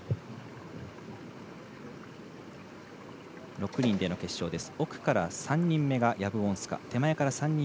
６人での決勝です。